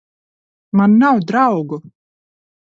Man nav draugu!